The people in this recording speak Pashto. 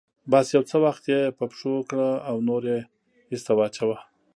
بس يو څه وخت يې په پښو کړه او نور يې ايسته واچوه.